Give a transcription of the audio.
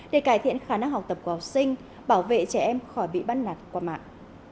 để cải thiện khả năng học tập của học sinh bảo vệ trẻ em khỏi bị bắt nạt qua mạng